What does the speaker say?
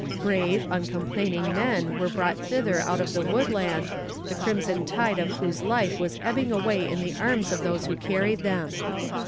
Brave, uncomplaining men were brought thither out of the woodland, the crimson tide of whose life was ebbing away in the arms of those who carried them.